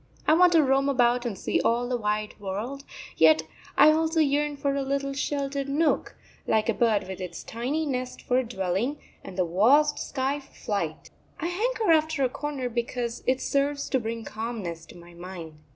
I want to roam about and see all the wide world, yet I also yearn for a little sheltered nook; like a bird with its tiny nest for a dwelling, and the vast sky for flight. I hanker after a corner because it serves to bring calmness to my mind.